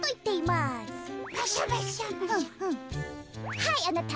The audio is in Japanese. はいあなた。